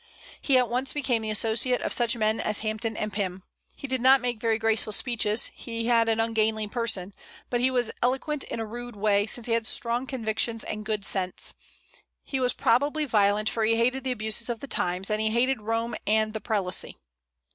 He at once became the associate of such men as Hampden and Pym. He did not make very graceful speeches, and he had an ungainly person; but he was eloquent in a rude way, since he had strong convictions and good sense. He was probably violent, for he hated the abuses of the times, and he hated Rome and the prelacy.